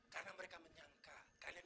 kalau yang ke kiri